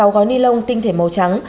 sáu gói ni lông tinh thể màu trắng